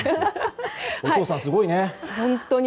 お父さんすごいね。